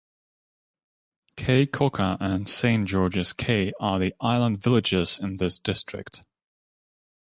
Caye Caulker and Saint George's Caye are the island villages in this district.